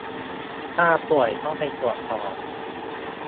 ถ้าป่วยก็ไปตรวจต่อ